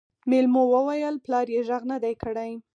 مېلمو وويل پلار يې غږ نه دی کړی.